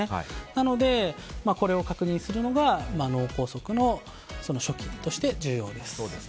なので、これを確認するのが脳梗塞の初期として重要です。